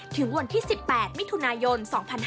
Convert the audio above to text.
ถึงวันที่๑๘มิถุนายน๒๕๕๙